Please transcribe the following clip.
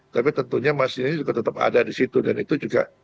tapi tentunya masinis juga tetap ada di situ dan itu juga